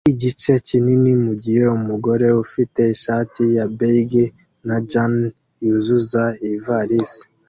igice kinini mugihe umugore ufite ishati ya beige na jans yuzuza ivarisi